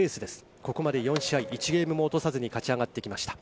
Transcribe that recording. ここまで４試合１ゲームも落とさずに勝ち上がってきました。